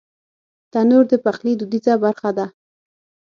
تنور د پخلي دودیزه برخه ده